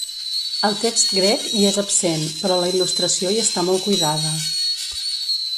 El text grec hi és absent, però la il·lustració hi està molt cuidada.